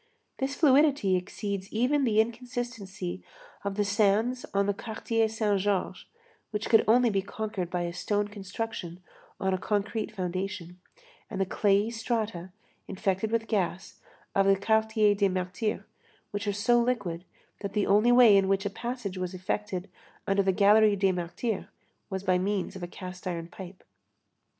This fluidity exceeds even the inconsistency of the sands of the Quartier Saint Georges, which could only be conquered by a stone construction on a concrete foundation, and the clayey strata, infected with gas, of the Quartier des Martyrs, which are so liquid that the only way in which a passage was effected under the gallery des Martyrs was by means of a cast iron pipe.